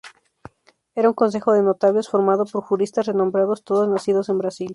Era un ""consejo de notables"" formado por juristas renombrados, todos nacidos en Brasil.